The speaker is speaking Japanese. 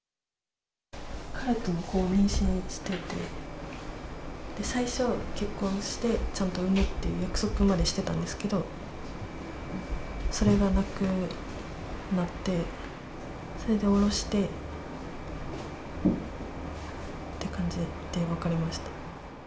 彼との子を妊娠してて、最初、結婚してちゃんと産むっていう約束までしてたんですけど、それがなくなって、それでおろしてって感じで、別れました。